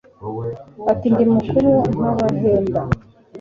ati ndi mukuru nkabahenda